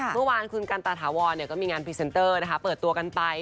เมื่อวานคืนกันตาถาวอลเนี่ยก็มีงานพรีเซนเตอร์นะคะเปิดตัวกันไป